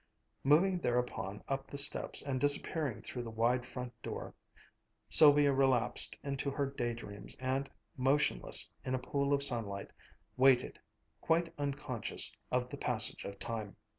moving thereupon up the steps and disappearing through the wide front door. Sylvia relapsed into her day dreams and, motionless in a pool of sunlight, waited, quite unconscious of the passage of time.